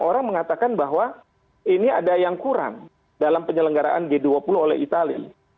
orang mengatakan bahwa ini ada yang kurang dalam penyelenggaraan g dua puluh oleh itali